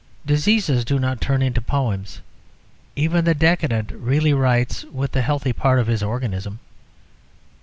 Diseases do not turn into poems; even the decadent really writes with the healthy part of his organism.